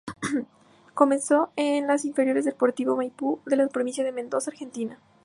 Comenzó en las inferiores de Deportivo Maipú, de la Provincia de Mendoza, Argentina.